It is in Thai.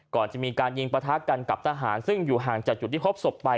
ก่อนจะมีการยิงประทะกันกับทหารซึ่งอยู่ห่างจากจุดที่พบศพไป